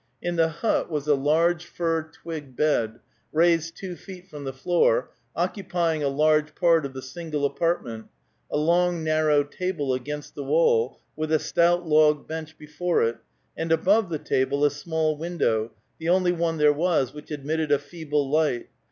In the hut was a large fir twig bed, raised two feet from the floor, occupying a large part of the single apartment, a long narrow table against the wall, with a stout log bench before it, and above the table a small window, the only one there was, which admitted a feeble light.